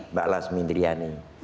mbak lasmi indrayani